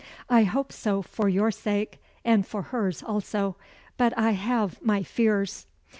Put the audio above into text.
I hope so for your sake, and for hers also but I have my fears."